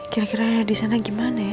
kira kira di sana gimana ya